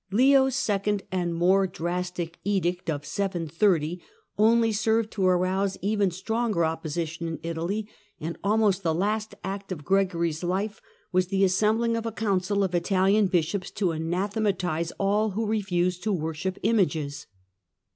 Leo's second and more drastic edict of 730 only served to arouse even stronger opposition in Italy, and almost the last act of Gregory's life was the assembling of a council of Italian bishops to anathematise all who refused to worship images.